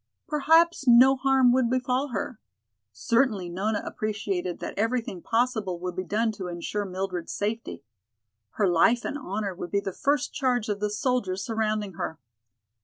Perhaps no harm would befall her. Certainly Nona appreciated that everything possible would be done to insure Mildred's safety. Her life and honor would be the first charge of the soldiers surrounding her.